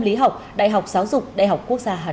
chuyên gia tâm lý học đại học giáo dục đại học quốc gia hà nội